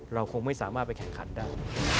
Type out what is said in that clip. เราคงไม่สามารถไปแข่งขันได้